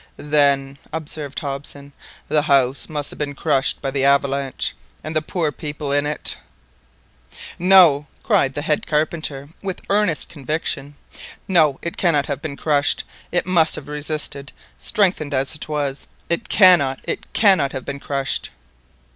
"Then," observed Hobson, "the house must have been crushed by the avalanche, and the poor people in it"—— "No!" cried the head carpenter with earnest conviction, "no, it cannot have been crushed, it must have resisted, strengthened as it was. It cannot—it cannot have been crushed!"